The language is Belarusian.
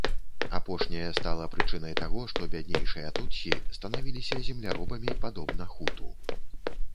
Апошняе стала прычынай таго, што бяднейшыя тутсі станавіліся земляробамі падобна хуту.